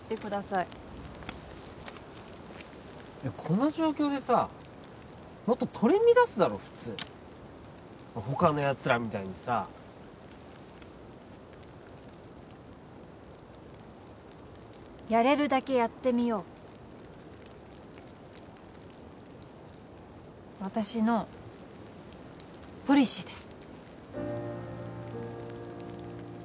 いやこの状況でさもっと取り乱すだろ普通他のやつらみたいにさやれるだけやってみよう私のポリシーです